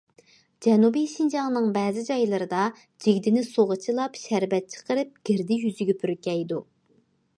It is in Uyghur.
جەنۇبىي شىنجاڭنىڭ بەزى جايلىرىدا جىگدىنى سۇغا چىلاپ شەربەت چىقىرىپ گىردە يۈزىگە پۈركەيدۇ.